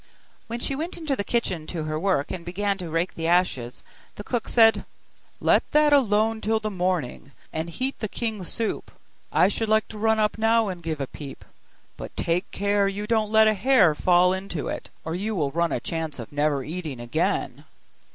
When she went into the kitchen to her work, and began to rake the ashes, the cook said, 'Let that alone till the morning, and heat the king's soup; I should like to run up now and give a peep: but take care you don't let a hair fall into it, or you will run a chance of never eating again.